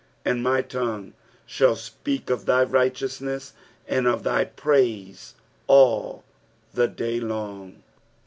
28 And my tongue shall speak of thy righteousness and oi thy praise all the day long.